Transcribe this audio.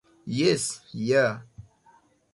Jes, ja.